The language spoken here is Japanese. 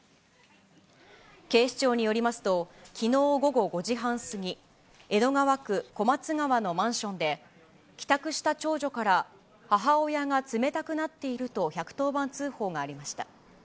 警視庁によりますと、きのう午後５時半過ぎ、江戸川区小松川のマンションで、帰宅した長女から、母親が冷たくなっていると１１０番通報がありました。